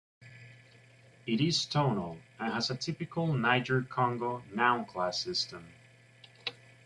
It is tonal and has a typical Niger-Congo noun class system.